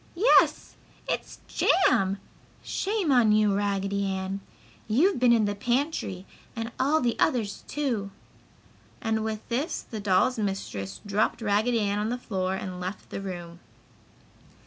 "Yes! It's JAM! Shame on you, Raggedy Ann! You've been in the pantry and all the others, too!" and with this the dolls' mistress dropped Raggedy Ann on the floor and left the room.